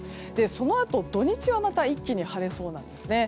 そのあと、土日はまた一気に晴れそうなんです。